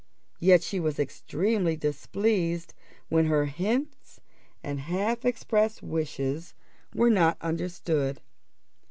Yet she was extremely displeased when her hints and her half expressed wishes were not understood.